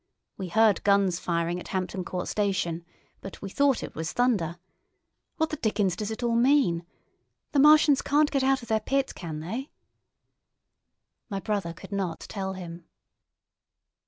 We heard guns firing at Hampton Court station, but we thought it was thunder. What the dickens does it all mean? The Martians can't get out of their pit, can they?" My brother could not tell him.